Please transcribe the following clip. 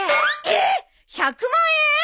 えっ１００万円！？